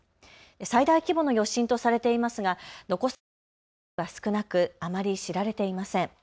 最大規模の余震とされていますが残された資料などが少なくあまり知られていません。